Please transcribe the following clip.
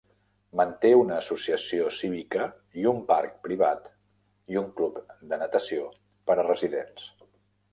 Manté una associació cívica i un parc privat i un club de natació per a residents.